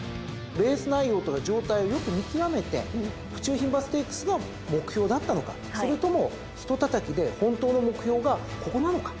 レース内容とか状態をよく見極めて府中牝馬ステークスが目標だったのかそれともひとたたきで本当の目標がここなのか。